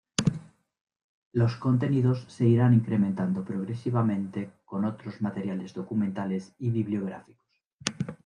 Los contenidos se irán incrementando progresivamente con otros materiales documentales y bibliográficos.